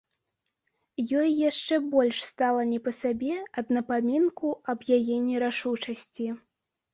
Ёй яшчэ больш стала не па сабе ад напамінку аб яе нерашучасці.